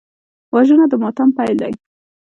وژنه د ماتم پیل دی